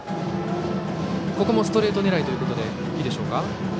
ここもストレート狙いでいいでしょうか？